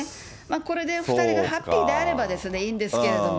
これで２人がハッピーであればいいんですけれども。